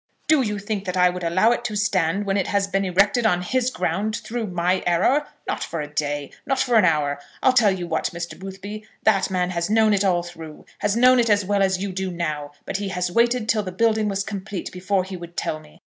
Do you think that I would allow it to stand when it has been erected on his ground, through my error? Not for a day! not for an hour! I'll tell you what, Mr. Boothby, that man has known it all through; has known it as well as you do now; but he has waited till the building was complete before he would tell me.